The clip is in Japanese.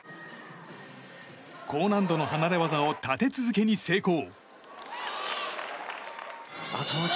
高難度の離れ技を立て続けに成功。